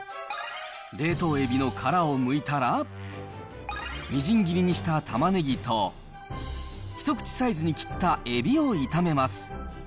冷凍エビの殻をむいたら、みじん切りにしたたまねぎと、一口サイズに切ったエビを炒めます。